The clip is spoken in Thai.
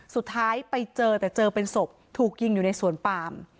สุดท้ายไปเจอแต่เจอเป็นศพถูกยิงอยู่ในสวนปาม